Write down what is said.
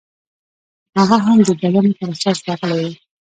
هغه هم د بلنې پر اساس راغلی و.